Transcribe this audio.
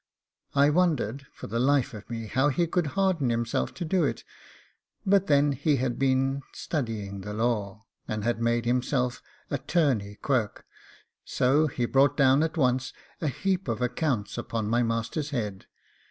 I wondered, for the life of me, how he could harden himself to do it; but then he had been studying the law, and had made himself Attorney Quirk; so he brought down at once a heap of accounts upon my master's head.